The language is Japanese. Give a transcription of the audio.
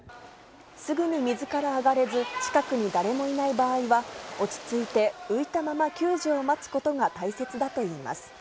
すぐに水から上がれず、近くに誰もいない場合は、落ち着いて、浮いたまま救助を待つことが大切だといいます。